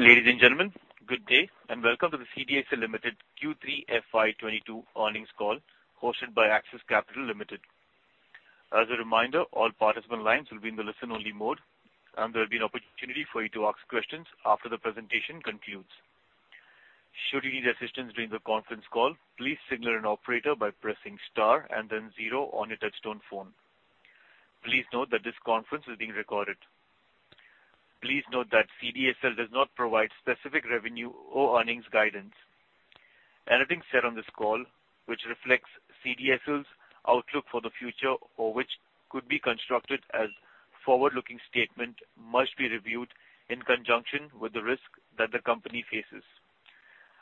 Ladies and gentlemen, good day and welcome to the CDSL Limited Q3 FY 2022 earnings call hosted by Axis Capital Limited. As a reminder, all participant lines will be in the listen-only mode, and there will be an opportunity for you to ask questions after the presentation concludes. Should you need assistance during the conference call, please signal an operator by pressing star and then zero on your touchtone phone. Please note that this conference is being recorded. Please note that CDSL does not provide specific revenue or earnings guidance. Anything said on this call which reflects CDSL's outlook for the future or which could be construed as forward-looking statement must be reviewed in conjunction with the risk that the company faces.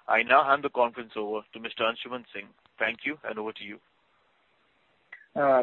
I now hand the conference over to Mr. Anshuman Singh. Thank you, and over to you.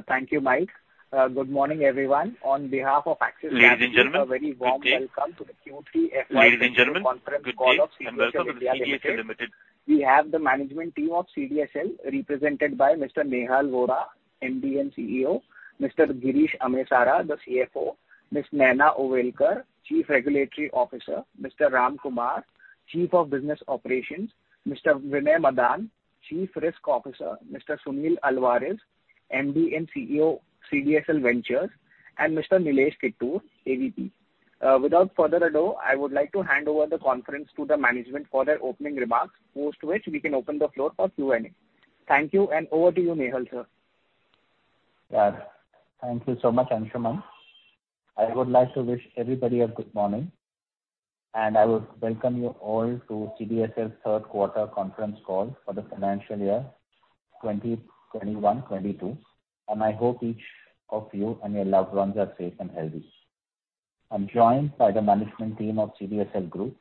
Thank you, Mike. Good morning, everyone. On behalf of Axis Capital. Ladies and gentlemen, good day. A very warm welcome to the Q3 FY. Ladies and gentlemen, good day and welcome to the CDSL Limited. We have the management team of CDSL represented by Mr. Nehal Vora, MD and CEO, Mr. Girish Amesara, the CFO, Ms. Naina Ovalekar, Chief Regulatory Officer, Mr. Ram Kumar, Chief of Business Operations, Mr. Vinay Madan, Chief Risk Officer, Mr. Sunil Alvares, MD and CEO, CDSL Ventures, and Mr. Nilesh Kittur, AVP. Without further ado, I would like to hand over the conference to the management for their opening remarks, post which we can open the floor for Q&A. Thank you, and over to you, Nehal, sir. Yeah. Thank you so much, Anshuman. I would like to wish everybody a good morning, and I would welcome you all to CDSL's third quarter conference call for the financial year 2021-2022. I hope each of you and your loved ones are safe and healthy. I'm joined by the management team of CDSL Group.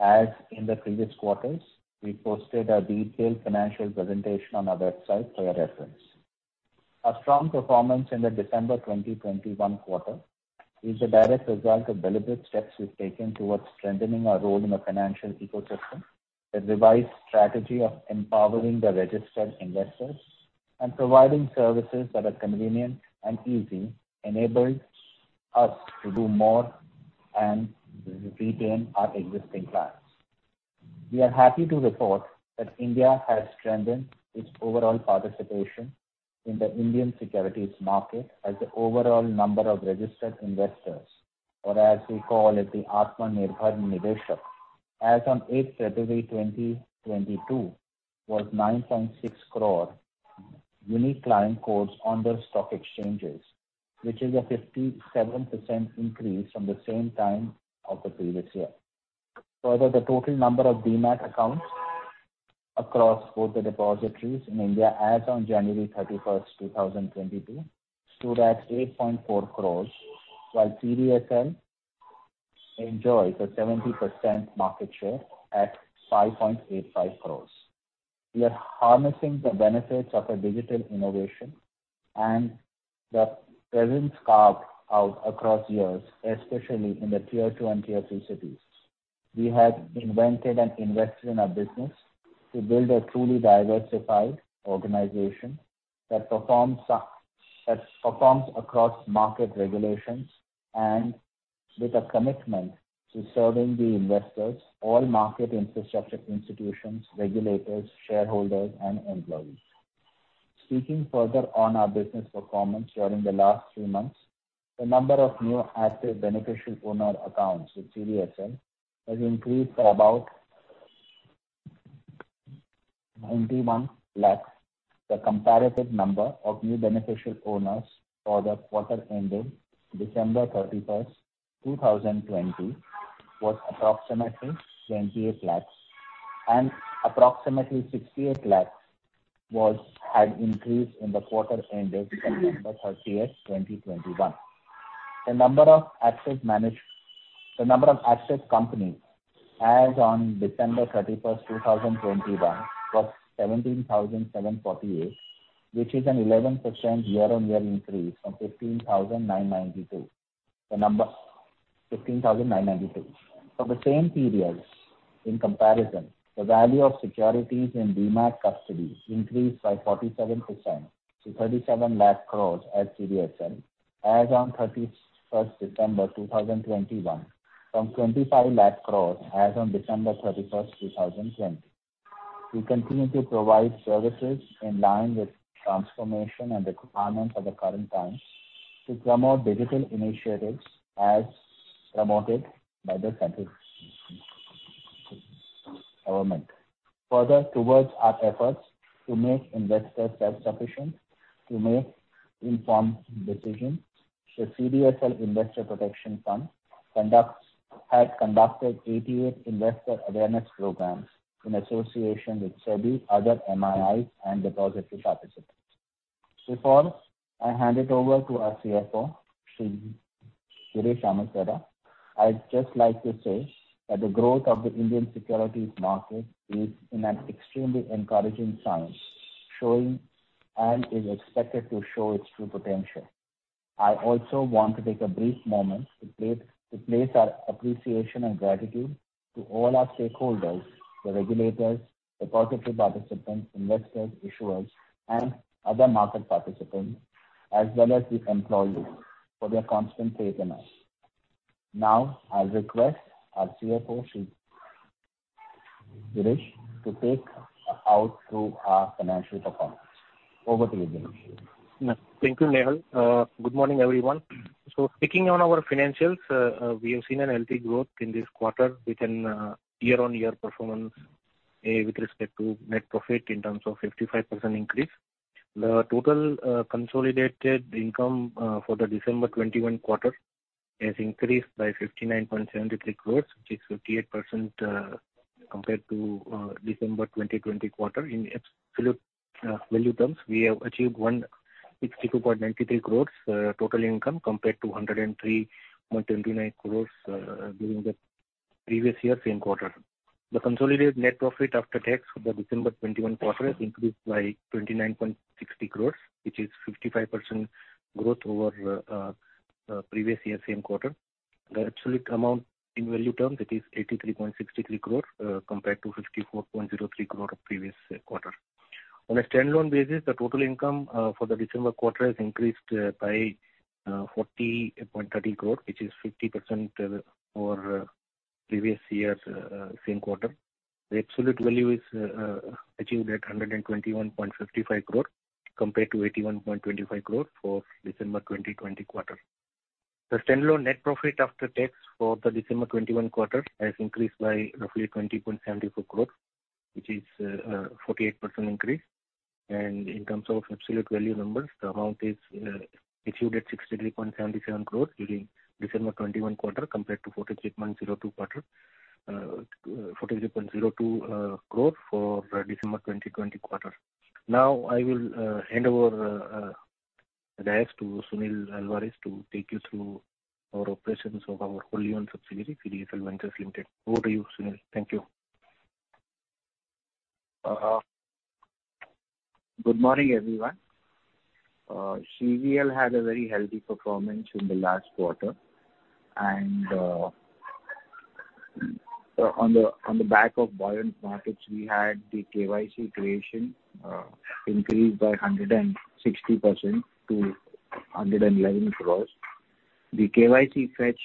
As in the previous quarters, we posted a detailed financial presentation on our website for your reference. Our strong performance in the December 2021 quarter is a direct result of deliberate steps we've taken towards strengthening our role in the financial ecosystem. The revised strategy of empowering the registered investors and providing services that are convenient and easy enabled us to do more and retain our existing clients. We are happy to report that India has strengthened its overall participation in the Indian securities market as the overall number of registered investors, or as we call it, the Atmanirbhar Niveshak, as on 8 February 2022, was 9.6 crore unique client codes on the stock exchanges, which is a 57% increase from the same time of the previous year. Further, the total number of Demat accounts across both the depositories in India as on January 31, 2022, stood at 8.4 crores, while CDSL enjoyed a 70% market share at 5.85 crores. We are harnessing the benefits of a digital innovation and the presence carved out across years, especially in the Tier 2 and Tier 3 cities. We have invented and invested in our business to build a truly diversified organization that performs across market regulations and with a commitment to serving the investors, all market infrastructure institutions, regulators, shareholders, and employees. Speaking further on our business performance during the last three months, the number of new active beneficial owner accounts with CDSL has increased by about 91 lakhs. The comparative number of new beneficial owners for the quarter ending December 31, 2020, was approximately 28 lakhs, and approximately 68 lakhs had increased in the quarter ending December 31, 2021. The number of active companies as on December 31, 2021, was 17,748, which is an 11% year-on-year increase from 15,992. For the same periods in comparison, the value of securities in Demat custody increased by 47% to 37 lakh crore at CDSL as on 31st December 2021 from 25 lakh crore as on 31st December 2020. We continue to provide services in line with transformation and the requirements of the current times to promote digital initiatives as promoted by the central government. Further, towards our efforts to make investors self-sufficient, to make informed decisions, the CDSL Investor Protection Fund had conducted 88 investor awareness programs in association with SEBI, other MIIs, and depository participants. Before I hand it over to our CFO, Mr. Girish Amesara, I'd just like to say that the growth of the Indian securities market is an extremely encouraging sign, showing and is expected to show its true potential. I also want to take a brief moment to place our appreciation and gratitude to all our stakeholders, the regulators, depository participants, investors, issuers and other market participants, as well as the employees for their constant faith in us. Now, I request our CFO, Girish, to take us through our financial performance. Over to you, Girish. Thank you, Nehal. Good morning, everyone. Speaking on our financials, we have seen a healthy growth in this quarter within year-on-year performance, with respect to net profit in terms of 55% increase. The total consolidated income for the December 2021 quarter has increased by 59.73 crores, which is 58%, compared to December 2020 quarter. In absolute value terms, we have achieved 162.93 crores total income compared to 103.29 crores during the previous year same quarter. The consolidated net profit after tax for the December 2021 quarter has increased by 29.60 crores, which is 55% growth over previous year same quarter. The absolute amount in value terms, it is 83.63 crores, compared to 54.03 crore previous quarter. On a standalone basis, the total income for the December quarter has increased by 40.30 crore, which is 50% over previous year's same quarter. The absolute value is achieved at 121.55 crore compared to 81.25 crore for December 2020 quarter. The standalone net profit after tax for the December 2021 quarter has increased by roughly 20.74 crore, which is 48% increase. In terms of absolute value numbers, the amount is at 63.77 crores during December 2021 quarter compared to 43.02 crore for December 2020 quarter. Now I will hand over the rest to Sunil Alvares to take you through our operations of our wholly-owned subsidiary, CDSL Ventures Limited. Over to you, Sunil. Thank you. Good morning, everyone. CVL had a very healthy performance in the last quarter. On the back of buoyant markets, the KYC creation increased by 160% to 111 crore. The KYC fetch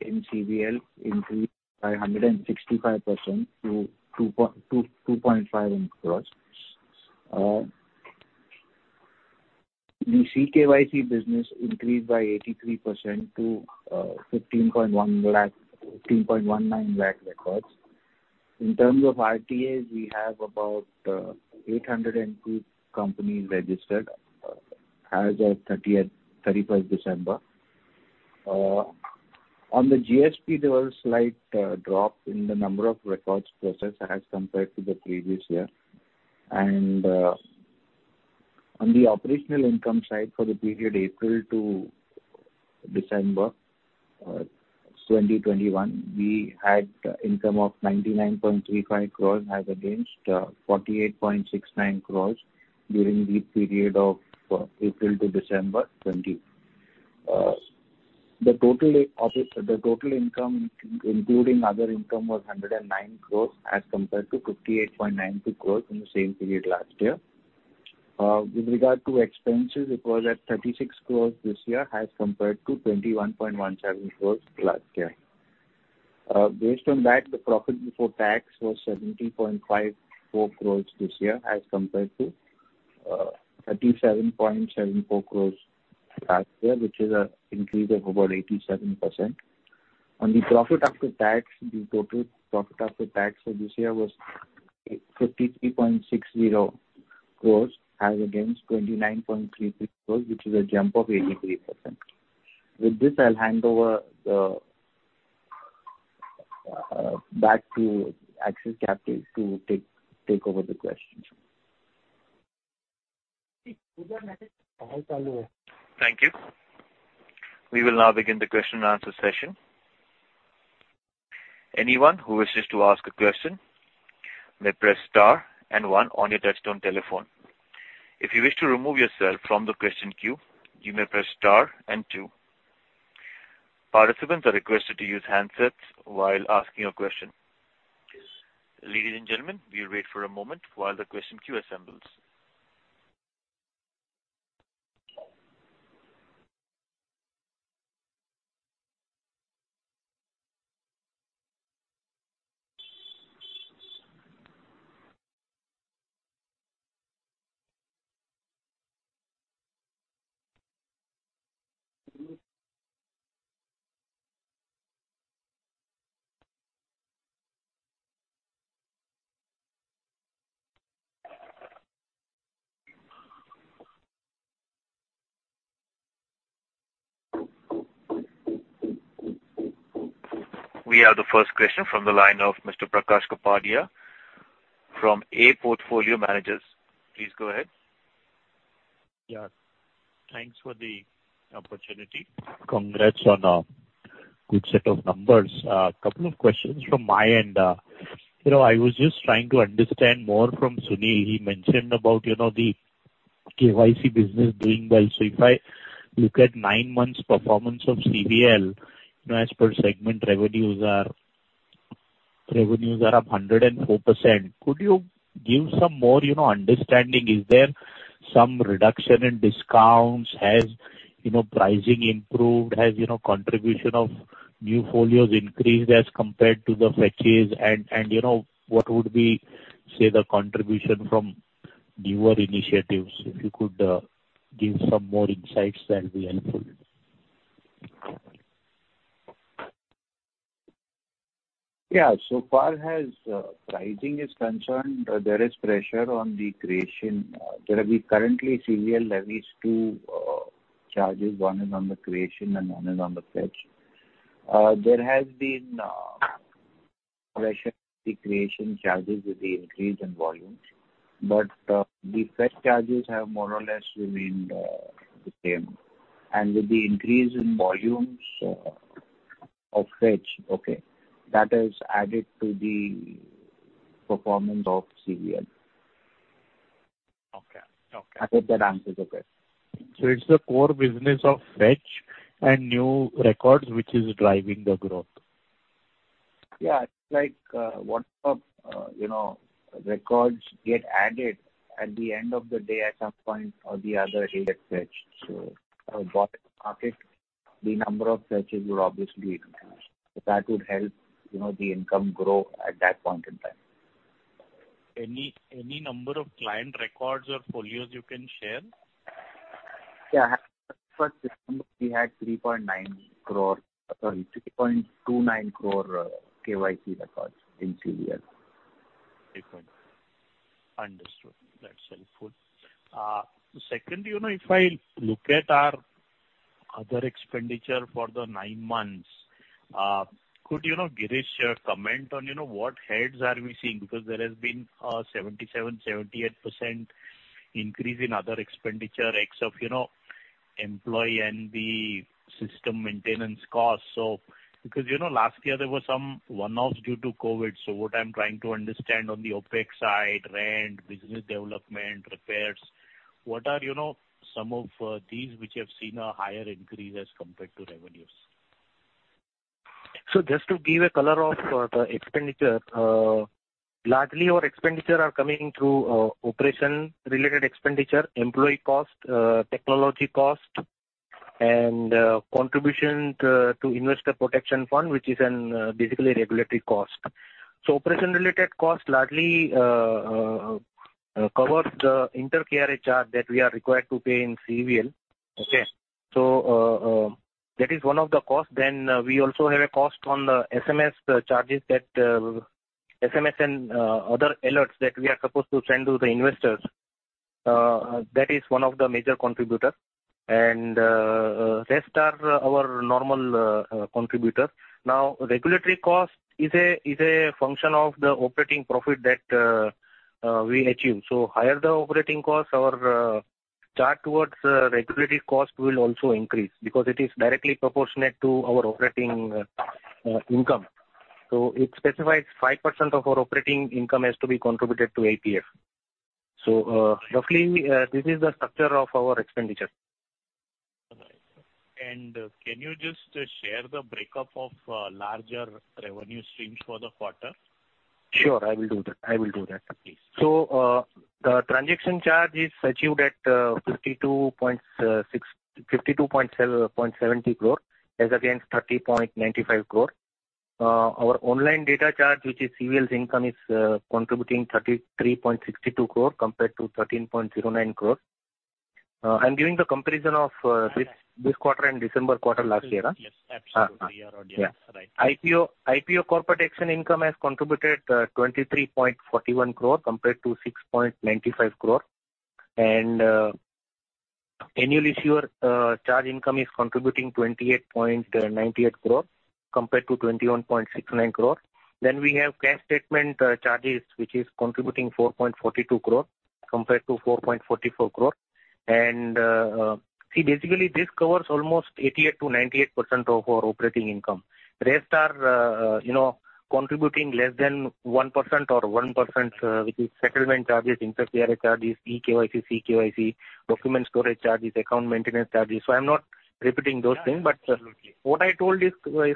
in CVL increased by 165% to 2.5 crore. The CKYC business increased by 83% to 15.19 lakh records. In terms of RTAs, we have about 802 companies registered as of 31 December. On the GSP, there was a slight drop in the number of records processed as compared to the previous year. On the operational income side for the period April to December 2021, we had income of 99.35 crores as against 48.69 crores during the period of April to December 2020. The total income, including other income, was 109 crores as compared to 58.92 crores in the same period last year. With regard to expenses, it was at 36 crores this year as compared to 21.17 crores last year. Based on that, the profit before tax was 70.54 crores this year as compared to 37.74 crores last year, which is an increase of about 87%. On the profit after tax, the total profit after tax for this year was 53.60 crores as against 29.36 crores, which is a jump of 83%. With this, I'll hand over back to Axis Capital to take over the questions. Thank you. We will now begin the question-and-answer session. Anyone who wishes to ask a question may press star and one on your touchtone telephone. If you wish to remove yourself from the question queue, you may press star and two. Participants are requested to use handsets while asking a question. Ladies and gentlemen, we'll wait for a moment while the question queue assembles. We have the first question from the line of Mr. Prakash Kapadia from Anived Portfolio Managers. Please go ahead. Yeah. Thanks for the opportunity. Congrats on a good set of numbers. Couple of questions from my end. You know, I was just trying to understand more from Sunil Alvares. He mentioned about, you know, the KYC business doing well. If I look at nine months performance of CVL, you know, as per segment, revenues are up 104%. Could you give some more, you know, understanding? Is there some reduction in discounts? Has, you know, pricing improved? Has, you know, contribution of new folios increased as compared to the fetches? And you know, what would be, say the contribution from newer initiatives? If you could give some more insights, that'll be helpful. Yeah. So far as pricing is concerned, there is pressure on the creation. We currently see a leverage to charges. One is on the creation and one is on the fetch. There has been pressure on the creation charges with the increase in volumes. The fetch charges have more or less remained the same. With the increase in volumes of fetch, that has added to the performance of CVL. Okay. Okay. I hope that answers okay. It's the core business of fetching new records which is driving the growth. Yeah. It's like, what, you know, records get added at the end of the day at some point or the other hit at fetch. Our bottom market, the number of fetches would obviously increase. That would help, you know, the income grow at that point in time. Any number of client records or folios you can share? As per December, we had 3.29 crore KYC records in CVL. Okay. Understood. That's helpful. Second, you know, if I look at our other expenditure for the nine months, could you now, Girish, comment on, you know, what heads are we seeing? Because there has been a 77%-78% increase in other expenditure, except for, you know, employee and the system maintenance costs. Because you know, last year there were some one-offs due to COVID. What I'm trying to understand on the OpEx side, rent, business development, repairs, what are, you know, some of these which you have seen a higher increase as compared to revenues? Just to give a color of the expenditure, largely our expenditure are coming through operation-related expenditure, employee cost, technology cost and contribution to Investor Protection Fund, which is basically a regulatory cost. Operation-related cost largely covers the inter-KRA that we are required to pay in CVL. Okay. That is one of the costs. We also have a cost on the SMS charges that SMS and other alerts that we are supposed to send to the investors. That is one of the major contributor. Rest are our normal contributor. Regulatory cost is a function of the operating profit that we achieve. Higher the operating cost, our contribution towards regulatory cost will also increase because it is directly proportionate to our operating income. It specifies 5% of our operating income has to be contributed to IPF. Roughly, this is the structure of our expenditure. All right. Can you just share the break-up of larger revenue streams for the quarter? Sure, I will do that. Please. The transaction charge is achieved at 52.6 crore-52.77 crore as against 30.95 crore. Our online data charge, which is CVL's income, is contributing 33.62 crore compared to 13.09 crore. I'm giving the comparison of this quarter and December quarter last year. Yes, absolutely. Year-on-year. Yeah. Right. IPO corporate action income has contributed 23.41 crore compared to 6.95 crore. Annual issuer charge income is contributing 28.98 crore compared to 21.69 crore. We have CAS statement charges, which is contributing 4.42 crore compared to 4.44 crore. Basically this covers almost 88%-98% of our operating income. Rest are, you know, contributing less than 1% or 1%, which is settlement charges, inter-KRA charges, eKYC, CKYC, document storage charges, account maintenance charges. I'm not repeating those things. Yeah, yeah. Absolutely. What I told is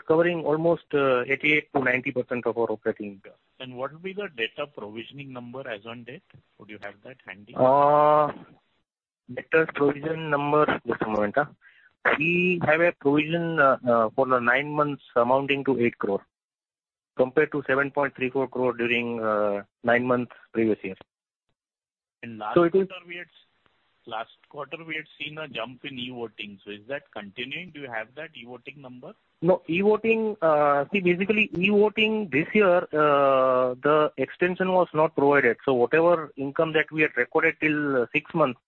covering almost 88%-90% of our operating income. What will be the data provisioning number as on date? Would you have that handy? We have a provision for the nine months amounting to 8 crore compared to 7.34 crore during nine months previous year. In last quarter we had. It will. Last quarter we had seen a jump in e-voting. Is that continuing? Do you have that e-voting number? No, e-voting, see, basically e-voting this year, the extension was not provided. Whatever income that we had recorded till six months,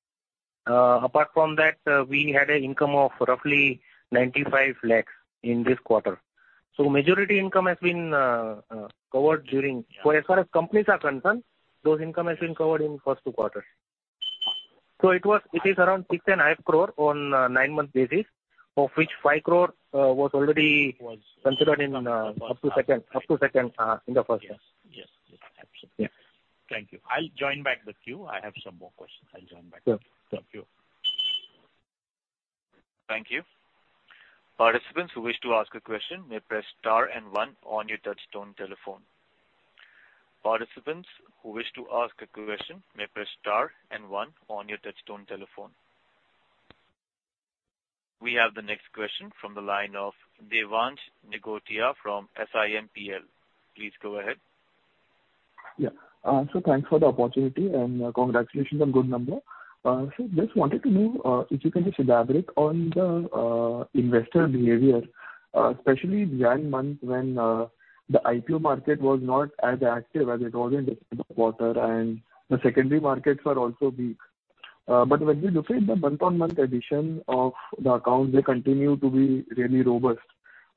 apart from that, we had an income of roughly 95 lakhs in this quarter. Majority income has been covered during. As far as companies are concerned, those income has been covered in first two quarters. It is around 6.5 crore on nine-month basis. Of which 5 crore was already- Was- Considered in up to second in the first year. Yes. Yes. Yes. Absolutely. Yeah. Thank you. I'll join back with you. I have some more questions. I'll join back. Sure. Sure. Thank you. Thank you. Participants who wish to ask a question may press star and one on your touch-tone telephone. We have the next question from the line of Devansh Nigotia from SIMPL. Please go ahead. Yeah. Thanks for the opportunity and, congratulations on good number. Just wanted to know if you can just elaborate on the investor behavior, especially January month when the IPO market was not as active as it was in December quarter and the secondary markets were also weak. When we look at the month-on-month addition of the accounts, they continue to be really robust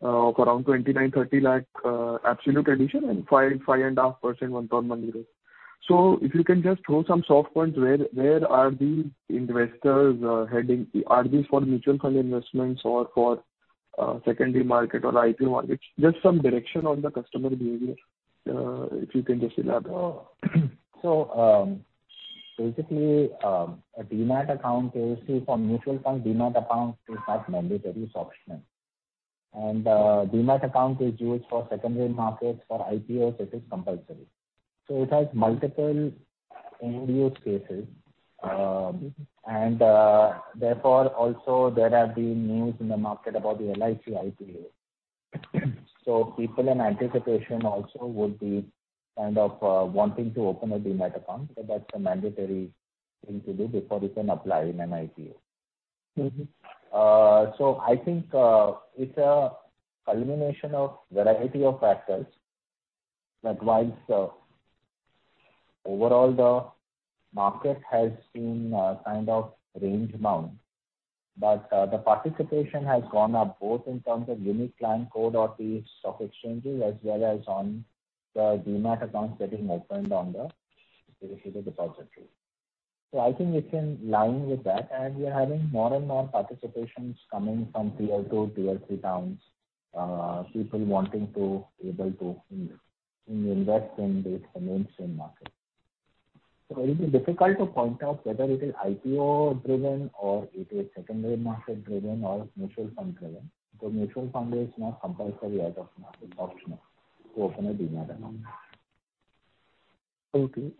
of around 29-30 lakh absolute addition and 5-5.5% month-on-month growth. If you can just throw some soft points where are these investors heading? Are these for mutual fund investments or for secondary market or IPO markets? Just some direction on the customer behavior if you can just elaborate. Basically, a Demat account is, say, for mutual fund Demat account is not mandatory, it's optional. Demat account is used for secondary markets. For IPOs it is compulsory. It has multiple end use cases. Therefore, also there have been news in the market about the LIC IPO. People in anticipation also would be kind of wanting to open a Demat account. That's a mandatory thing to do before you can apply in an IPO. Mm-hmm. I think it's a culmination of variety of factors that while overall the market has been kind of range bound, but the participation has gone up both in terms of unique client code of the stock exchanges as well as on the Demat accounts getting opened on the depository. I think it's in line with that. We are having more and more participations tier 2, Tier 3 towns, people wanting to, able to, invest in the mainstream market. It will be difficult to point out whether it is IPO driven or it is secondary market driven or mutual fund driven. The mutual fund is not compulsory as of now, it's optional to open a Demat account. Okay.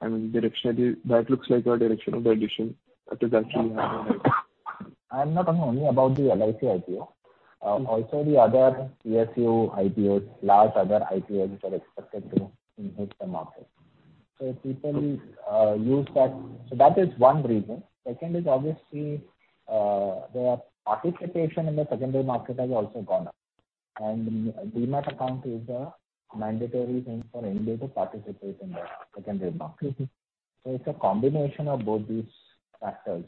I mean, directionally that looks like a direction of the adoption that is actually happening. I'm not talking only about the LIC IPO, also the other PSU IPOs, large other IPOs which are expected to hit the market. People use that. That is one reason. Second is obviously the participation in the secondary market has also gone up. Demat account is a mandatory thing for anybody to participate in the secondary market. Mm-hmm. It's a combination of both these factors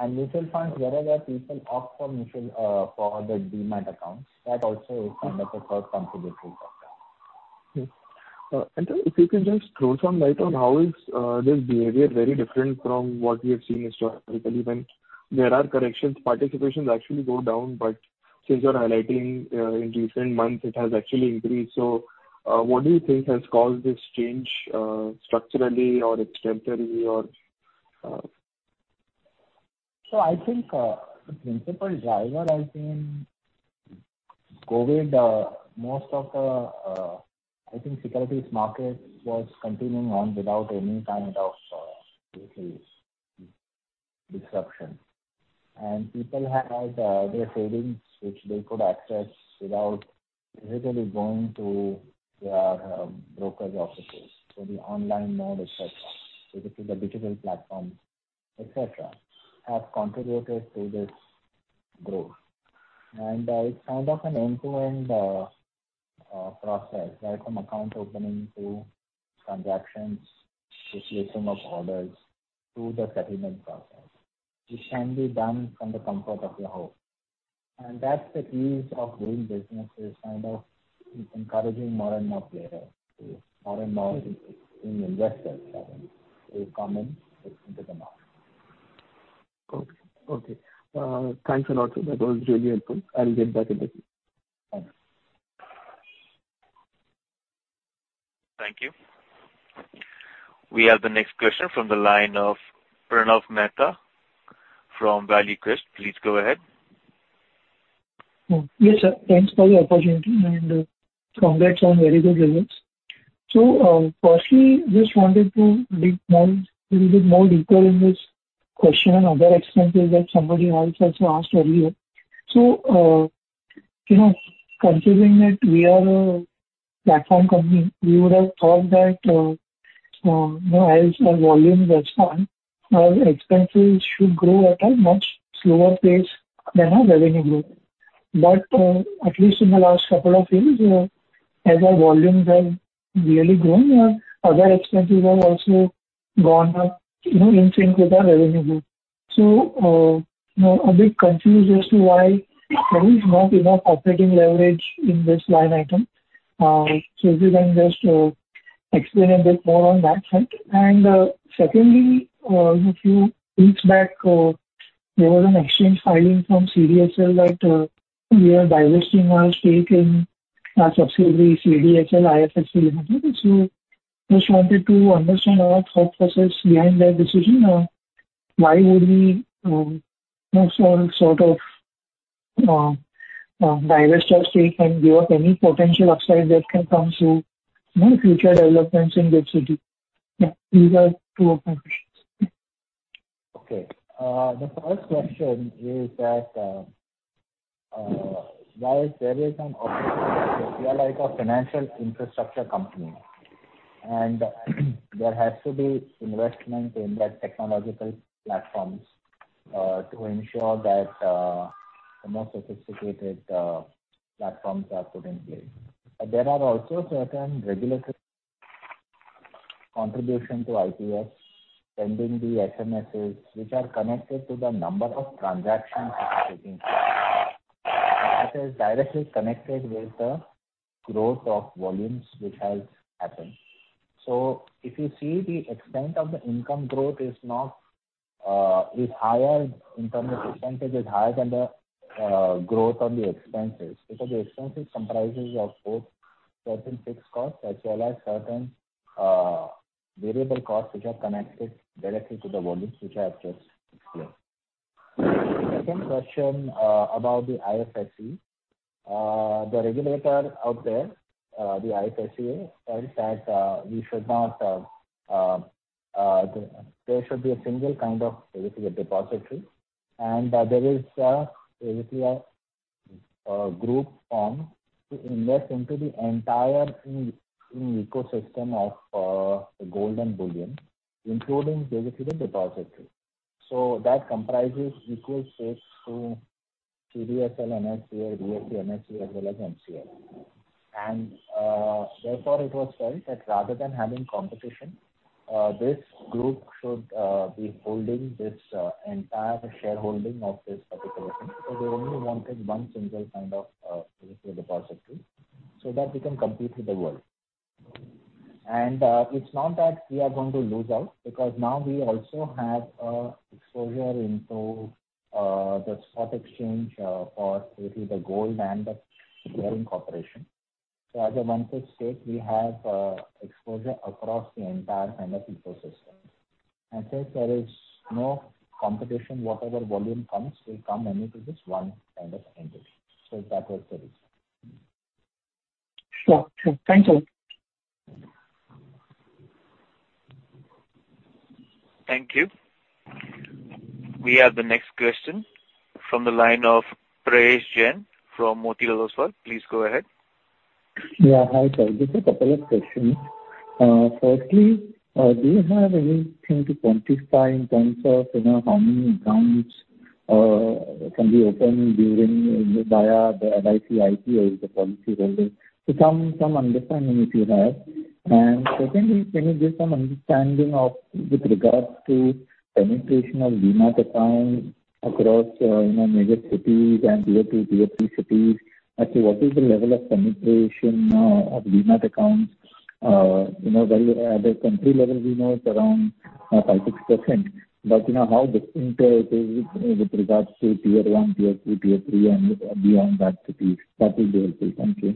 mainly. Mutual funds, wherever people opt for mutual for the Demat accounts, that also is another contributing factor. If you can just throw some light on how is this behavior very different from what we have seen historically when there are corrections, participations actually go down, but since you're highlighting in recent months it has actually increased. What do you think has caused this change structurally or it's temporary or? I think the principal driver has been COVID. Most of the, I think, securities market was continuing on without any kind of disruption. People had their savings which they could access without physically going to their brokers' offices. The online mode, et cetera, this is a digital platform, et cetera, have contributed to this growth. It's kind of an end-to-end process, right from account opening to transactions, initiation of orders to the settlement process, which can be done from the comfort of your home. That's the ease of doing business is kind of encouraging more and more investors, I mean, to come in into the market. Okay. Thanks a lot, sir. That was really helpful. I'll get back with you. Thanks. Thank you. We have the next question from the line of Pranav Mehta from Valuequest. Please go ahead. Yes, sir. Thanks for the opportunity and congrats on very good results. Firstly, just wanted to dig more, a little bit more deeper in this question on other expenses that somebody else has asked earlier. You know, considering that we are a platform company, we would have thought that you know, as our volumes have grown, our expenses should grow at a much slower pace than our revenue growth. At least in the last couple of years, as our volumes have really grown, our other expenses have also gone up, you know, in sync with our revenue growth. You know, a bit confused as to why there is not enough operating leverage in this line item. If you can just explain a bit more on that front. Secondly, if you reach back, there was an exchange filing from CDSL that we are divesting our stake in our subsidiary CDSL IFSC Limited. Just wanted to understand our thought process behind that decision. Why would we divest our stake and give up any potential upside that can come through any future developments in that city? These are two of my questions. Okay. The first question is that while there is an option we are like a financial infrastructure company, and there has to be investment in that technological platforms to ensure that the more sophisticated platforms are put in place. There are also certain regulatory contribution to IPF, sending the SMSs which are connected to the number of transactions happening. That is directly connected with the growth of volumes which has happened. If you see the extent of the income growth is not is higher in terms of percentage, is higher than the growth of the expenses. Because the expenses comprises of both certain fixed costs as well as certain variable costs which are connected directly to the volumes which I have just explained. The second question about the IFSC. The regulator out there, the IFSC felt that we should not, there should be a single kind of basically a depository. There is basically a group formed to invest into the entire ecosystem of gold and bullion, including basically the depository. That comprises equal stake to CDSL, NSDL, BSE, as well as NSE. Therefore it was felt that rather than having competition. This group should be holding this entire shareholding of this particular thing. They only wanted one single kind of basically depository so that we can compete with the world. It's not that we are going to lose out because now we also have exposure into the stock exchange for basically the gold and the clearing corporation. As a one fit state we have exposure across the entire kind of ecosystem. Since there is no competition, whatever volume comes will come only to this one kind of entity. That was the reason. Sure. Thanks a lot. Thank you. We have the next question from the line of Prayesh Jain from Motilal Oswal. Please go ahead. Hi, sir. Just a couple of questions. Firstly, do you have anything to quantify in terms of, you know, how many accounts can be opened during, you know, via the LIC IPO with the policyholders? So some understanding if you have. Secondly, can you give some understanding with regards to penetration of Demat account across, you know, major cities and Tier 2, Tier 3 cities? Actually, what is the level of penetration of Demat accounts? You know, where at the country level, we know it's around 5-6%. You know how different it is with regards to Tier 1, Tier 2, Tier 3 and beyond that cities. That will be helpful. Thank you.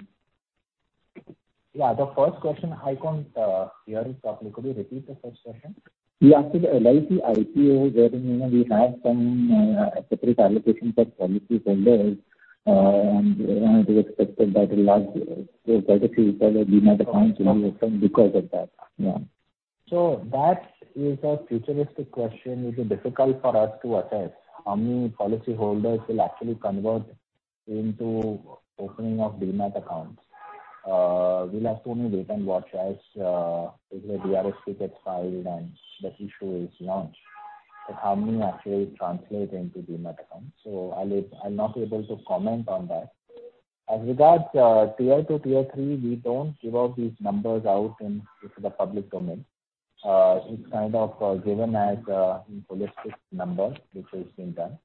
Yeah. I can't hear the first question properly. Could you repeat the first question? Yeah. The LIC IPO wherein, you know, we have some separate allocation for policyholders, and, you know, it is expected that a large, quite a few number of Demat accounts will be opened because of that. Yeah. That is a futuristic question. It is difficult for us to assess how many policyholders will actually convert into opening of Demat accounts. We'll have to only wait and watch as if the DRHP gets filed and the issue is launched, but how many actually translate into Demat accounts. I'll not be able to comment on that. Tier 2, Tier 3, we don't give these numbers out into the public domain. It's kind of given as a holistic number which has been done.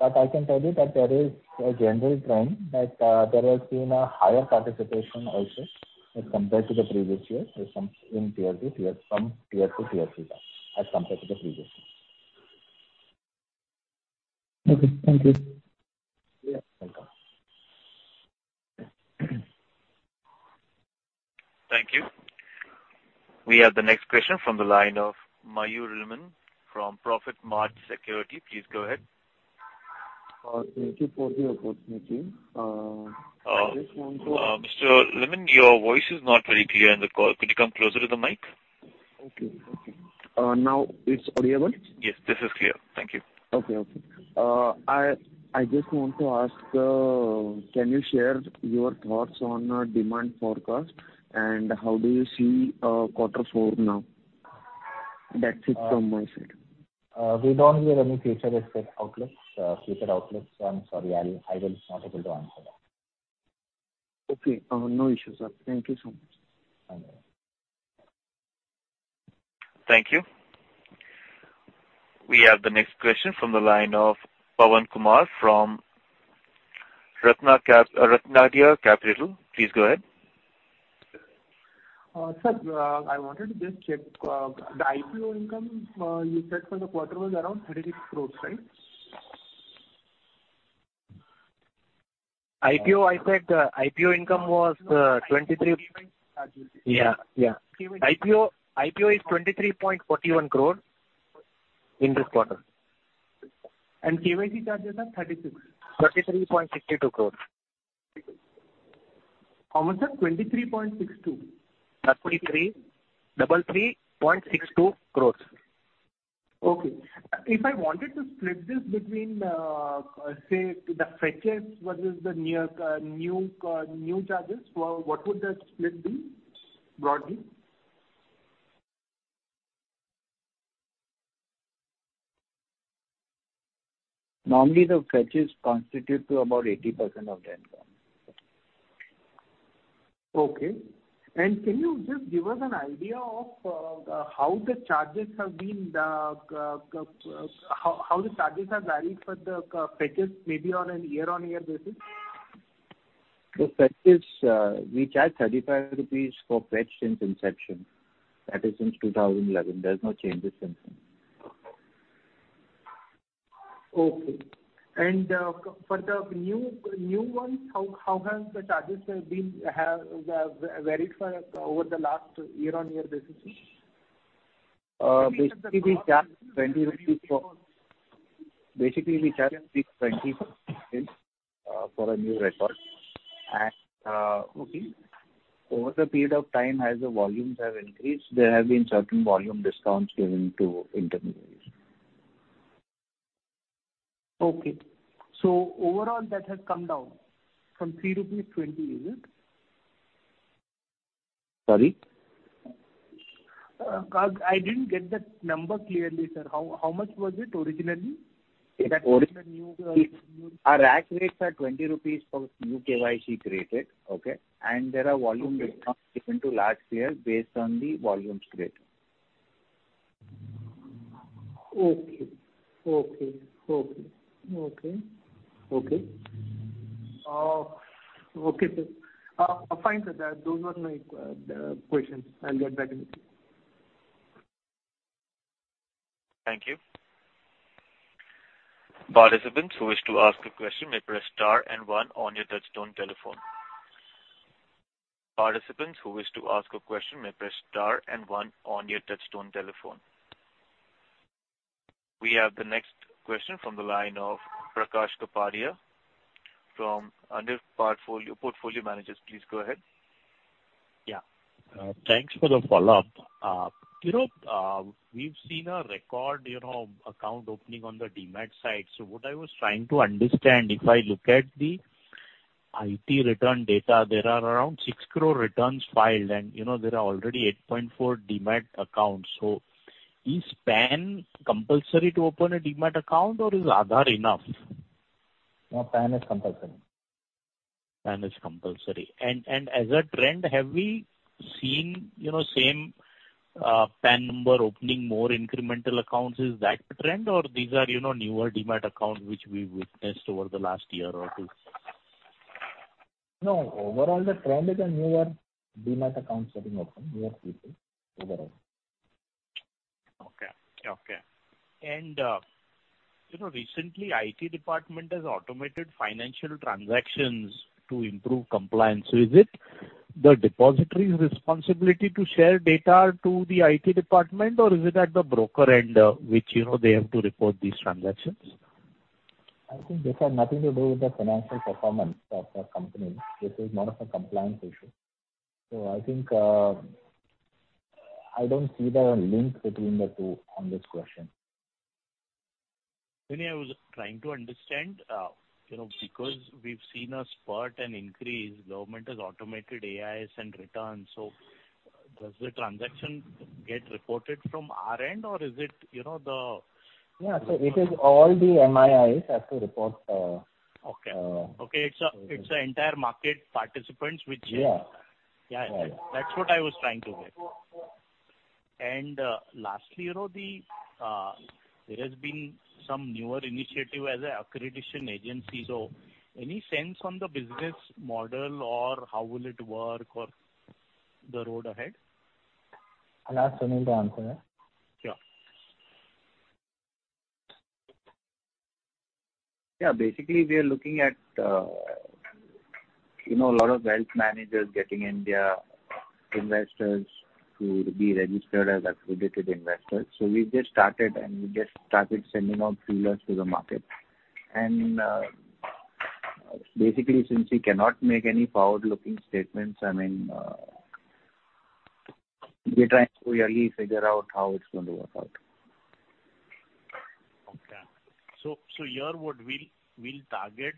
I can tell you that there is a general trend that there has been a higher participation also as compared to the previous Tier 2, Tier 3 as compared to the previous year. Okay. Thank you. Yeah. Welcome. Thank you. We have the next question from the line of Mayur Liman from Profitmart Securities. Please go ahead. Thank you for the opportunity. I just want to Mr. Liman, your voice is not very clear in the call. Could you come closer to the mic? Okay. Now it's audible. Yes, this is clear. Thank you. Okay. I just want to ask, can you share your thoughts on demand forecast and how do you see quarter four now? That's it from my side. We don't give any futuristic outlooks, future outlooks. I'm sorry. I will not able to answer that. Okay. No issues, sir. Thank you so much. Bye-bye. Thank you. We have the next question from the line of Pawan Kumar from Shri Ratna Capital. Please go ahead. Sir, I wanted to just check the IPO income you said for the quarter was around 36 crore, right? IPO, I said, IPO income was 23- charges. Yeah, yeah. KYC. IPO is 23.41 crore in this quarter. KYC charges are 36. 33.62 crores. How much, sir? 23.62. 3,333.62 crores. Okay. If I wanted to split this between, say the fetches versus the near, new charges, what would the split be broadly? Normally, the fees constitute about 80% of the income. Okay. Can you just give us an idea of how the charges have varied for the debits maybe on a year-on-year basis? The fetch is, we charge 35 rupees for fetch since inception. That is since 2011. There's no changes since then. Okay. For the new ones, how has the charges been varied for over the last year-on-year basis? Basically, we charge 20 for a new record. Okay. Over the period of time, as the volumes have increased, there have been certain volume discounts given to intermediaries. Okay. Overall that has come down from 3-20 rupees, is it? Sorry? I didn't get that number clearly, sir. How much was it originally? Orig- The new Our rack rates are 20 rupees for new KYC created. Okay? There are volume discounts. Okay. given to large players based on the volumes created. Okay. Okay, sir. Fine, sir. Those were my questions. I'll get back with you. Thank you. We have the next question from the line of Prakash Kapadia from Anived Portfolio Managers. Please, go ahead. Yeah. Thanks for the follow-up. You know, we've seen a record, you know, account opening on the Demat side. What I was trying to understand, if I look at the IT return data, there are around 6 crore returns filed, and there are already 8.4 Demat accounts. Is PAN compulsory to open a Demat account or is Aadhaar enough? No, PAN is compulsory. PAN is compulsory. As a trend, have we seen, you know, same PAN number opening more incremental accounts? Is that the trend? Or these are, you know, newer Demat accounts which we witnessed over the last year or two? No. Overall the trend is a newer Demat accounts getting opened, newer people overall. Okay. You know, recently IT department has automated financial transactions to improve compliance. Is it the depository's responsibility to share data to the IT department? Or is it at the broker end, which, you know, they have to report these transactions? I think this has nothing to do with the financial performance of the company. This is more of a compliance issue. I think, I don't see the link between the two on this question. I mean, I was trying to understand, you know, because we've seen a spurt and increase. Government has automated AIS and returns. Does the transaction get reported from our end, or is it, you know, the- It is all the MIIs have to report. Okay. Uh- Okay. It's entire market participants which Yeah. Yeah. Yeah. That's what I was trying to get. Lastly, you know, there has been some newer initiative as an accreditation agency. Any sense on the business model or how will it work or the road ahead? I'll ask Sunil to answer that. Sure. Yeah. Basically, we are looking at, you know, a lot of wealth managers getting Indian investors to be registered as accredited investors. We just started sending out feelers to the market. Basically, since we cannot make any forward-looking statements, I mean, we're trying to really figure out how it's going to work out. Okay. Here, what we'll target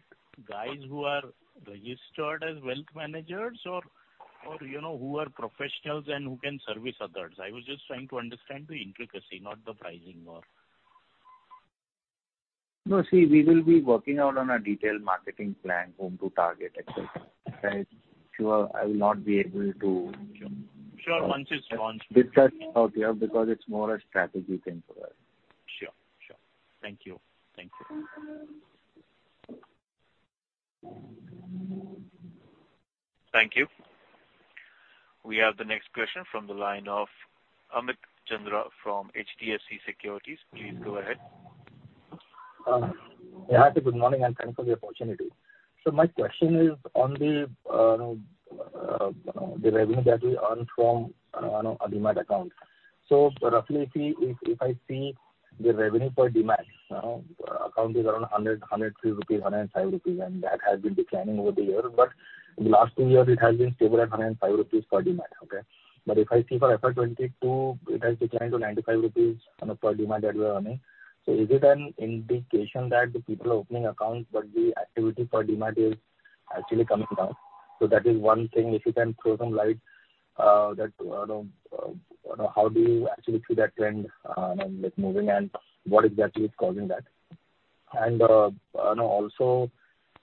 guys who are registered as wealth managers or, you know, who are professionals and who can service others. I was just trying to understand the intricacy, not the pricing or. No, see, we will be working out on a detailed marketing plan, whom to target, et cetera. Right. Sure. I will not be able to- Sure. Once it's launched. Discuss out here because it's more a strategy thing for us. Thank you. Thank you. Thank you. We have the next question from the line of Amit Chandra from HDFC Securities. Please go ahead. Yeah. Good morning, and thanks for the opportunity. My question is on the revenue that we earn from, you know, a Demat account. Roughly, if I see the revenue for Demat account is around 103 rupees, 105 rupees, and that has been declining over the years. In the last two years it has been stable at 105 rupees per Demat. Okay. If I see for FY 2022, it has declined to 95 rupees, you know, per Demat that we are earning. Is it an indication that the people are opening accounts, but the activity for Demat is actually coming down? That is one thing, if you can throw some light, you know, how do you actually see that trend, you know, like moving and what exactly is causing that? You know, also,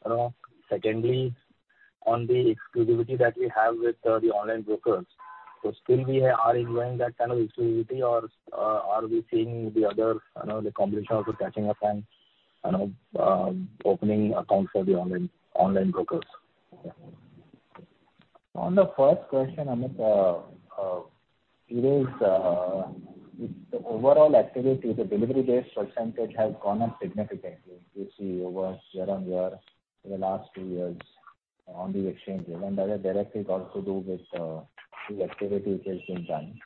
you know, secondly, on the exclusivity that we have with the online brokers, so still we are enjoying that kind of exclusivity or are we seeing the other, you know, the competition also catching up and, you know, opening accounts for the online brokers? On the first question, Amit, it is the overall activity, the delivery-based percentage has gone up significantly. You see, over year-on-year for the last two years on the exchanges, and that has directly got to do with the activity which has been done.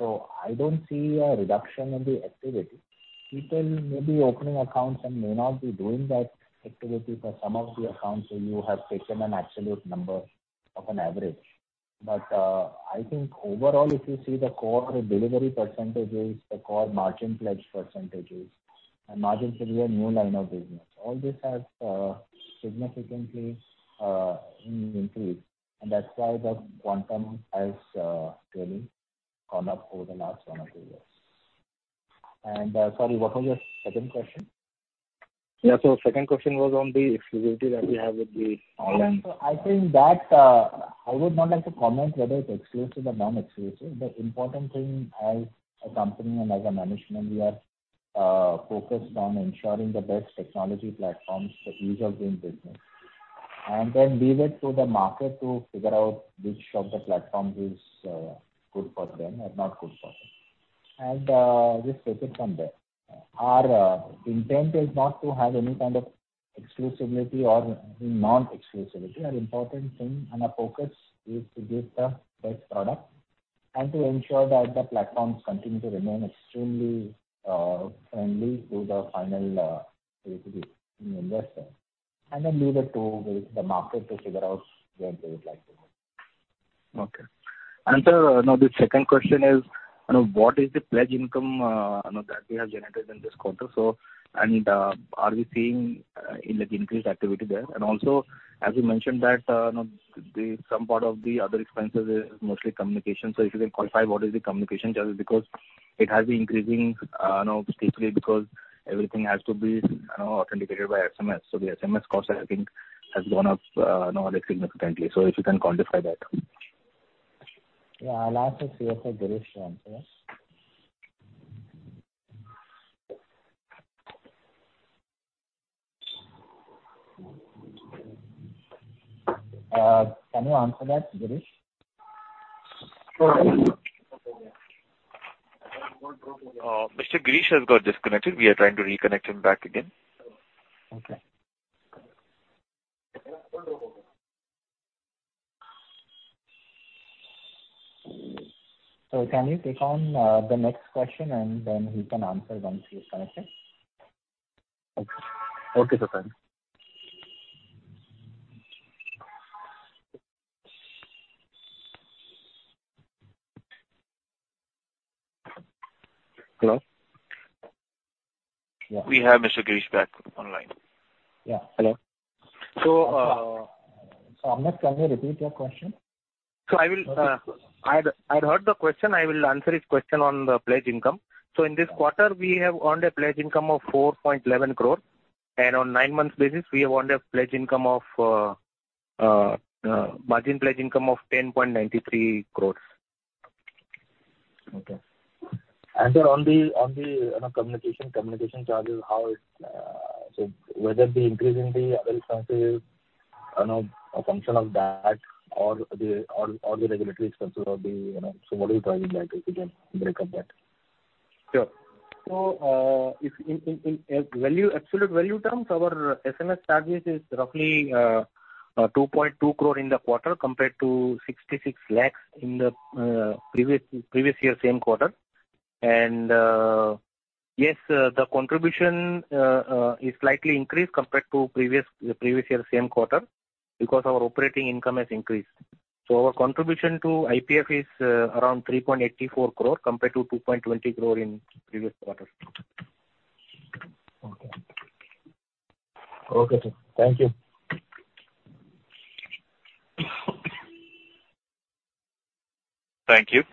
So I don't see a reduction in the activity. People may be opening accounts and may not be doing that activity for some of the accounts, so you have taken an absolute number of an average. I think overall, if you see the core delivery percentages, the core margin pledge percentages, and margin pledge is a new line of business. All this has significantly increased, and that's why the quantum has really gone up over the last one or two years. Sorry, what was your second question? Yeah. Second question was on the exclusivity that we have with the online- I think that I would not like to comment whether it's exclusive or non-exclusive. The important thing as a company and as a management, we are focused on ensuring the best technology platforms for ease of doing business, and then leave it to the market to figure out which of the platforms is good for them or not good for them. Just take it from there. Our intent is not to have any kind of exclusivity or non-exclusivity. Our important thing and our focus is to give the best product and to ensure that the platforms continue to remain extremely friendly to the final entity, the investor, and then leave it to the market to figure out where they would like to go. Okay. Now the second question is, you know, what is the pledge income, you know, that we have generated in this quarter? So are we seeing, like increased activity there? Also as you mentioned that, you know, that some part of the other expenses is mostly communication. If you can qualify what is the communication charges, because it has been increasing, you know, steeply because everything has to be, you know, authenticated by SMS. The SMS cost, I think has gone up, you know, like significantly. If you can quantify that. Yeah. I'll ask the CFO, Girish, to answer that. Can you answer that, Girish? Mr. Girish Amesara has got disconnected. We are trying to reconnect him back again. Okay. Can you take on the next question and then he can answer once he is connected? Okay, Sukant. Hello? Yeah. We have Mr. Girish Amesara back online. Yeah. Hello. Amit, can you repeat your question? I had heard the question. I will answer his question on the pledge income. In this quarter we have earned a pledge income of 4.11 crore. On nine months basis we have earned a pledge income of margin pledge income of 10.93 crores. Okay. Sir on the you know communication charges, how is it, so whether the increase in the other expenses is you know a function of that or the regulatory expenses or the you know. What do you find in that if you can break up that? Sure. If in absolute value terms, our SMS charges is roughly 2.2 crore in the quarter compared to 66 lakhs in the previous year same quarter. Yes, the contribution is slightly increased compared to previous year same quarter because our operating income has increased. Our contribution to IPF is around 3.84 crore compared to 2.20 crore in previous quarter. Okay, sir. Thank you.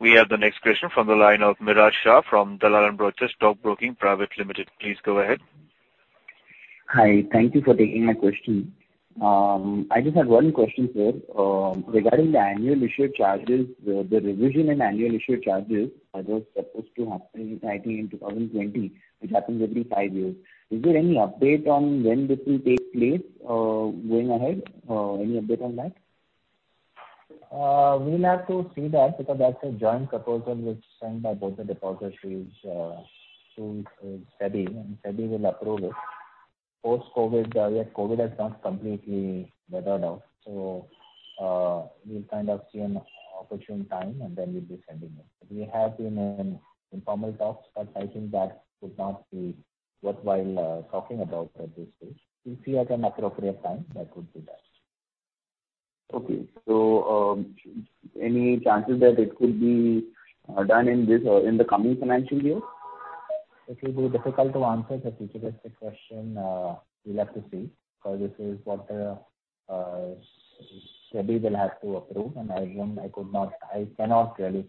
We have the next question from the line of Miraj Shah from Dalal & Broacha Stock Broking Private Limited. Please go ahead. Hi. Thank you for taking my question. I just have one question, sir. Regarding the annual issuer charges, the revision in annual issuer charges that was supposed to happen, I think, in 2020, which happens every five years. Is there any update on when this will take place, going ahead? Any update on that? We'll have to see that because that's a joint proposal which is signed by both the depositories to SEBI, and SEBI will approve it. Post-COVID, yet COVID has not completely weathered out. We'll kind of see an opportune time, and then we'll be sending it. We have been in informal talks, but I think that would not be worthwhile talking about at this stage. We'll see at an appropriate time that would do that. Okay. Any chances that it will be done in this or in the coming financial year? It will be difficult to answer the futuristic question. We'll have to see, because this is what the SEBI will have to approve, and I cannot really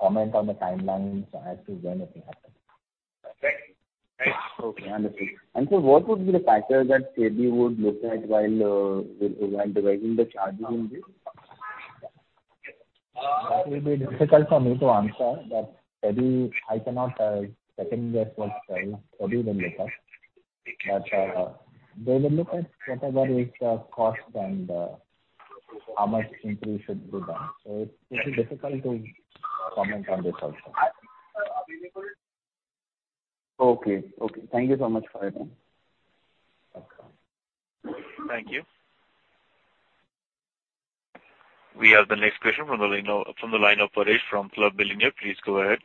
comment on the timelines as to when it will happen. Okay. Understood. What would be the factor that SEBI would look at while deriving the charges in this? That will be difficult for me to answer, but SEBI, I cannot second-guess what SEBI will look at. They will look at whatever is the cost and how much increase should be done. It's really difficult to comment on this also. Okay. Thank you so much for your time. Welcome. Thank you. We have the next question from the line of Paresh from Club Millionaire. Please go ahead.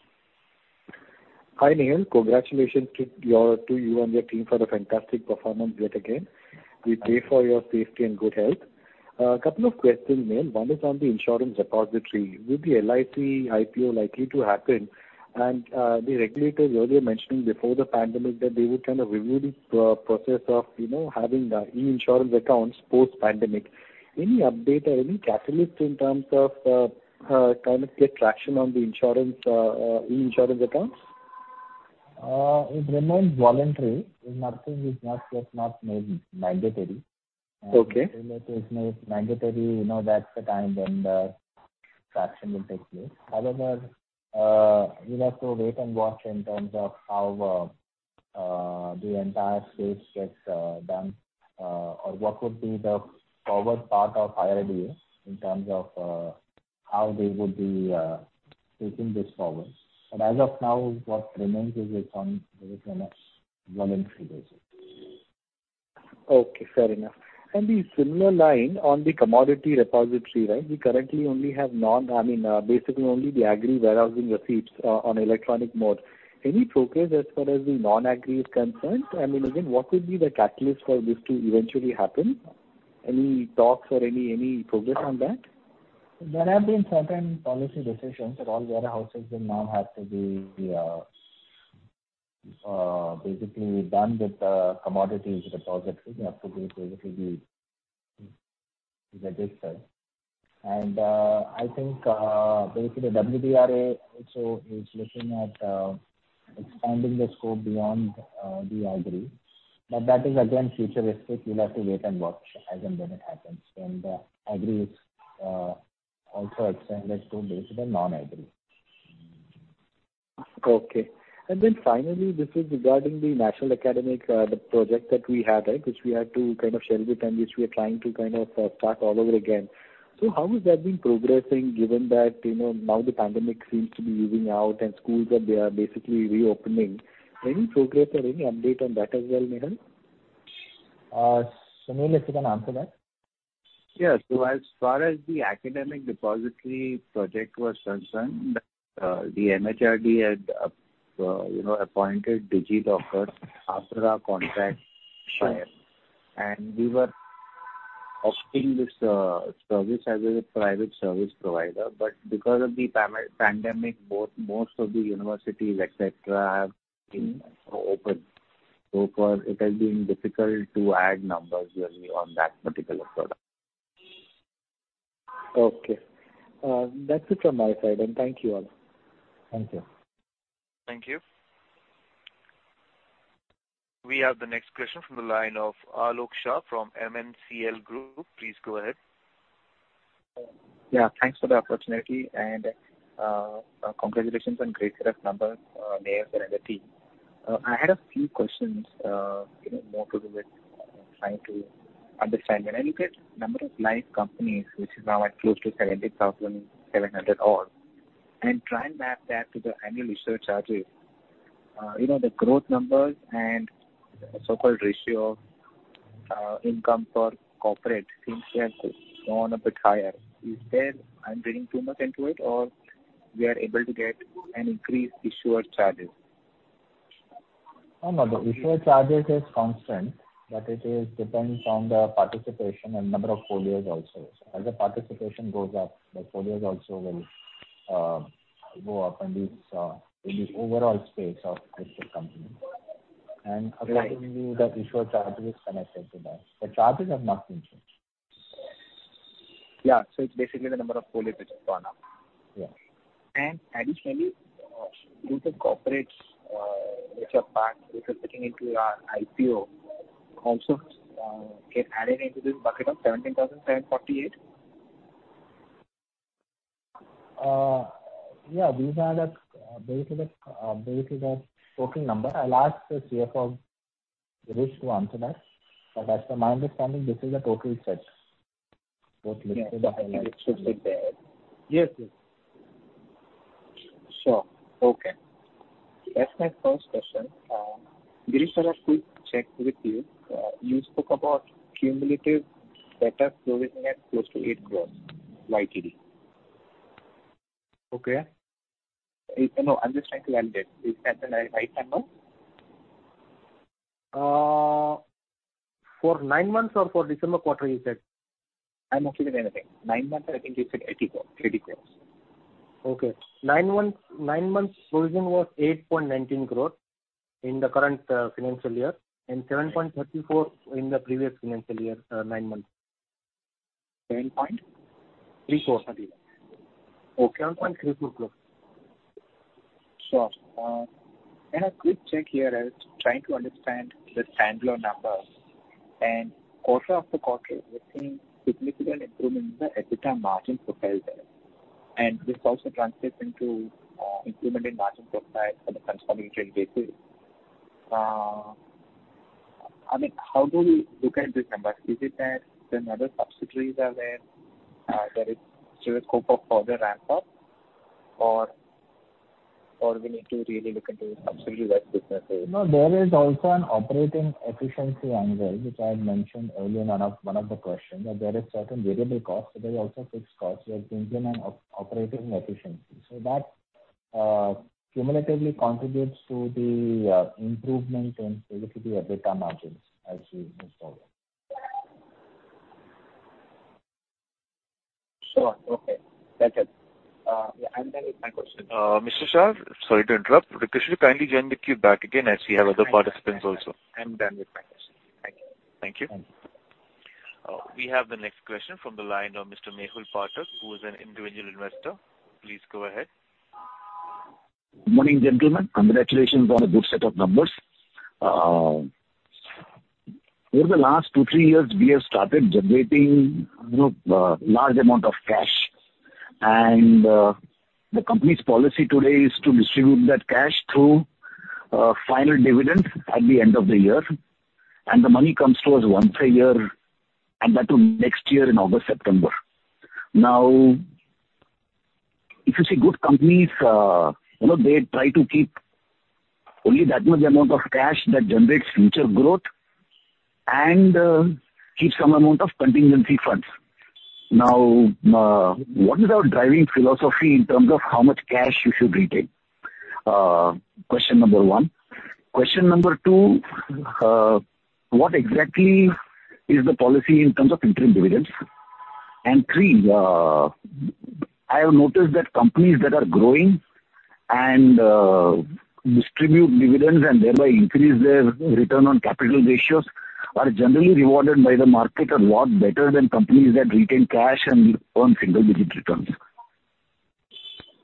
Hi, Nehal Vora. Congratulations to you and your team for the fantastic performance yet again. We pray for your safety and good health. A couple of questions, Nehal Vora. One is on the insurance repository. Will the LIC IPO likely to happen? The regulators earlier mentioning before the pandemic that they would kind of review this process of, you know, having the e-insurance accounts post-pandemic. Any update or any catalyst in terms of kind of gain traction on the insurance e-insurance accounts? It remains voluntary. Nothing is not yet made mandatory. Okay. Until it is made mandatory, you know, that's the time when the traction will take place. However, we'll have to wait and watch in terms of how the entire space gets done, or what could be the forward path of IRDA in terms of how they would be taking this forward. As of now, what remains is it is on a voluntary basis. Okay, fair enough. The similar line on the commodity repository, right? We currently only have I mean, basically only the agri warehousing receipts on electronic mode. Any progress as far as the non-agri is concerned? I mean, again, what would be the catalyst for this to eventually happen? Any talks or progress on that? There have been certain policy decisions that all warehouses will now have to be basically done with the commodities repository. They have to be basically registered. I think basically WDRA also is looking at expanding the scope beyond the agri. But that is again futuristic. We'll have to wait and watch as and when it happens. When the agri is also expanded to basically non-agri. Okay. Finally, this is regarding the National Academic Depository project that we had, right? Which we had to kind of shelve it and which we are trying to kind of start all over again. So how has that been progressing given that, you know, now the pandemic seems to be easing out and schools are basically reopening. Any progress or any update on that as well, Nehal? Sunil, if you can answer that. As far as the Academic Depository project was concerned, the MHRD had, you know, appointed DigiLocker after our contract expired. Sure. We were offering this service as a private service provider. Because of the pandemic, but most of the universities, et cetera, have been open. For us it has been difficult to add numbers really on that particular product. Okay. That's it from my side. Thank you all. Thank you. Thank you. We have the next question from the line of Aalok Shah from MNCL Group. Please go ahead. Yeah, thanks for the opportunity. Congratulations on great set of numbers, Nehal Vora and the team. I had a few questions, you know, more to do with trying to understand. When I look at number of live companies, which is now at close to 70,700, and try and map that to the annual issuer charges, you know, the growth numbers and so-called ratio of income for corporate seems to have gone a bit higher. Is there, I'm reading too much into it, or we are able to get an increased issuer charges? No, no. The issuer charges is constant, but it depends on the participation and number of folios also. As the participation goes up, the folios also will go up in the overall space of listed companies. Right. Accordingly, the issuer charges is connected to that. The charges have not been changed. Yeah. It's basically the number of folios which are gone up. Yeah. Additionally, do the corporates, which are putting into our IPO also, get added into this bucket of 17,748? Yeah. These are basically the total number. I'll ask the CFO, Girish, to answer that. As per my understanding, this is the total sets, both listed and unlisted. Yeah. It should be there. Yes, yes. Sure. Okay. That's my first question. Girish, I'll quickly check with you. You spoke about cumulative better provisioning at close to 8 crore YTD. Okay. No, I'm just trying to validate. Is that the right number? For nine months or for December quarter you said? I'm okay with anything. Nine months, I think you said 80 crores. Okay. Nine months provision was 8.19 crores in the current financial year and 7.34 in the previous financial year. 7 point? 347. Okay. Seven point three four crores. Sure. A quick check here. I was trying to understand the standalone numbers. Quarter after quarter, we're seeing significant improvement in the EBITDA margin profile there. This also translates into improvement in margin profile on a consolidated basis. I mean, how do we look at these numbers? Is it that some other subsidiaries are there is still a scope of further ramp up or we need to really look into the subsidiary-wise business only? No, there is also an operating efficiency angle which I had mentioned earlier in one of the questions. There is certain variable costs. There is also fixed costs. We have seen them on operating efficiency. That cumulatively contributes to the improvement in basically EBITDA margins as we move forward. Sure. Okay. That's it. Yeah. I'm done with my question. Mr. Shah, sorry to interrupt. Could you kindly join the queue back again as we have other participants also? I'm done with my question. Thank you. Thank you. Thank you. We have the next question from the line of Mr. Mehul Pathak, who is an individual investor. Please go ahead. Morning, gentlemen. Congratulations on a good set of numbers. Over the last two, three years, we have started generating, you know, large amount of cash. The company's policy today is to distribute that cash through final dividend at the end of the year. The money comes to us once a year, and that too next year in August, September. Now, if you see good companies, you know, they try to keep only that much amount of cash that generates future growth and keep some amount of contingency funds. Now, what is our driving philosophy in terms of how much cash you should retain? Question number 1. Question number 2, what exactly is the policy in terms of interim dividends? Three, I have noticed that companies that are growing and distribute dividends and thereby increase their return on capital ratios are generally rewarded by the market a lot better than companies that retain cash and earn single-digit returns.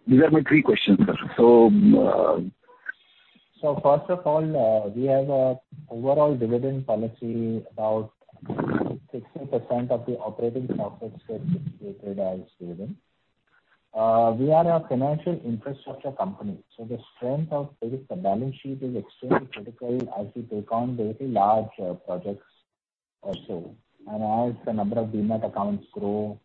These are my three questions, sir. First of all, we have a overall dividend policy, about 60% of the operating profits get distributed as dividend. We are a financial infrastructure company, so the strength of basically balance sheet is extremely critical as we take on very large projects also. As the number of Demat accounts grow,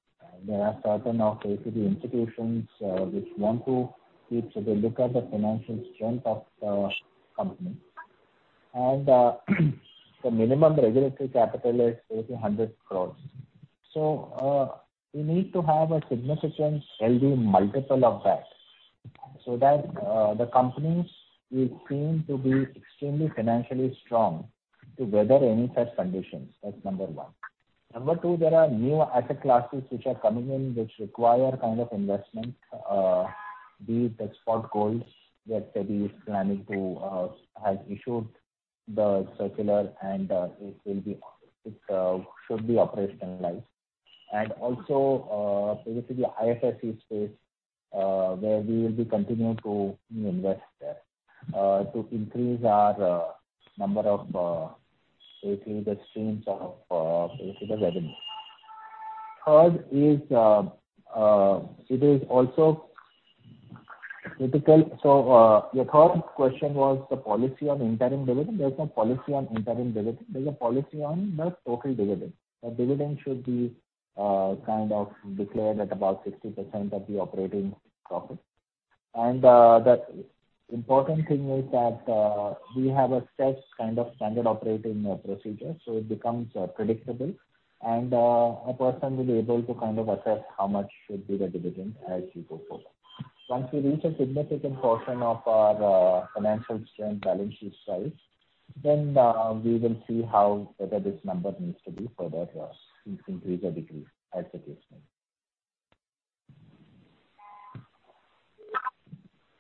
there are certain of APB institutions which want to keep. They look at the financial strength of the company. The minimum regulatory capital is basically 100 crore. We need to have a significant healthy multiple of that so that the companies will seem to be extremely financially strong to weather any such conditions. That's number one. Number two, there are new asset classes which are coming in which require kind of investment. Be it the spot goals that SEBI has issued the circular and it should be operationalized. Also, basically the IFSC space where we will be continuing to invest there to increase our number of basically the streams of basically the revenue. Third is, it is also critical. Your third question was the policy on interim dividend. There's no policy on interim dividend. There's a policy on the total dividend. The dividend should be kind of declared at about 60% of the operating profit. The important thing is that we have a set kind of standard operating procedure, so it becomes predictable and a person will be able to kind of assess how much should be the dividend as we go forward. Once we reach a significant portion of our financial strength balance sheet size, then we will see how better this number needs to be further across, if increase or decrease as the case may be.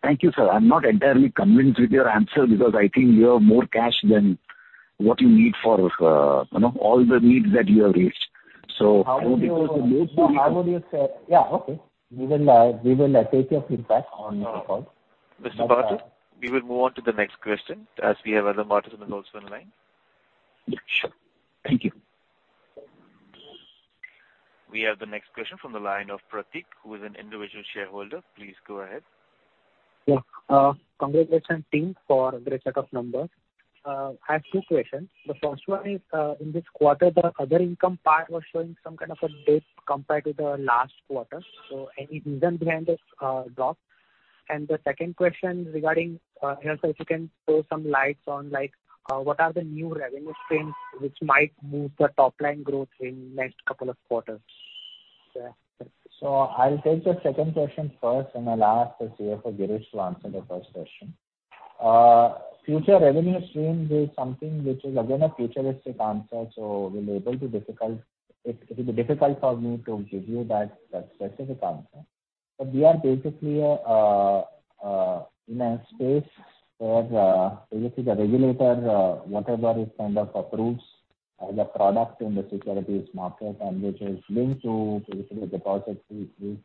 Thank you, sir. I'm not entirely convinced with your answer because I think you have more cash than what you need for, you know, all the needs that you have reached. How would you say? Yeah. Okay. We will take your feedback on the call. Mr. Pathak, we will move on to the next question as we have other participants also in line. Sure. Thank you. We have the next question from the line of Pratik, who is an individual shareholder. Please go ahead. Yeah. Congratulations team for the set of numbers. I have two questions. The first one is, in this quarter, the other income part was showing some kind of a dip compared to the last quarter. Any reason behind this drop? The second question regarding, if you can throw some light on, like, what are the new revenue streams which might move the top line growth in next couple of quarters? I'll take the second question first, and I'll ask the CFO, Girish Amesara, to answer the first question. Future revenue stream is something which is, again, a futuristic answer. It will be difficult for me to give you that specific answer. But we are basically in a space where basically the regulator whatever it kind of approves as a product in the securities market and which is linked to basically the project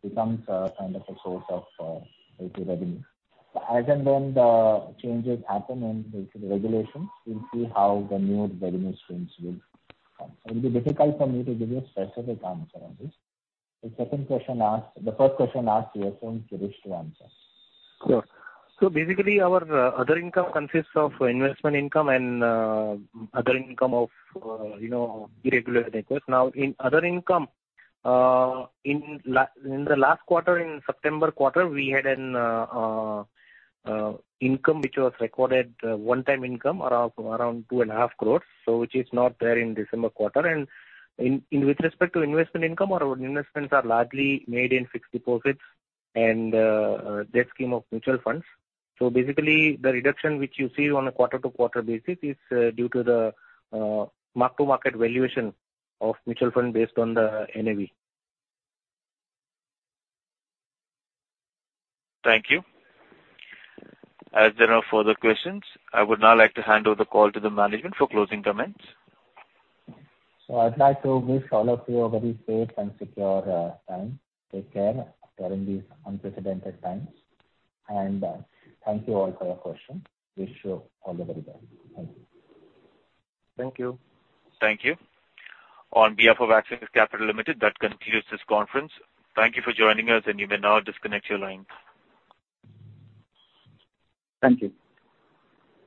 becomes kind of a source of basically revenue. As and when the changes happen in basically the regulations, we'll see how the new revenue streams will come. It'll be difficult for me to give you a specific answer on this. The second question asked. The first question asked, we ask Girish Amesara to answer. Sure. Basically our other income consists of investment income and other income of, you know, irregular records. Now, in other income, in the last quarter, in September quarter, we had an income which was recorded one-time income around 2.5 crore, which is not there in December quarter. With respect to investment income, our investments are largely made in fixed deposits and debt scheme of mutual funds. Basically the reduction which you see on a quarter-to-quarter basis is due to the mark-to-market valuation of mutual fund based on the NAV. Thank you. As there are no further questions, I would now like to hand over the call to the management for closing comments. I'd like to wish all of you a very safe and secure time. Take care during these unprecedented times. Thank you all for your questions. Wish you all the very best. Thank you. Thank you. Thank you. On behalf of Axis Capital Limited, that concludes this conference. Thank you for joining us, and you may now disconnect your line. Thank you.